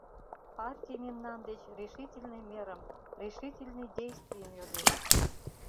Партий мемнан деч решительный мерым, решительный действийым йодеш!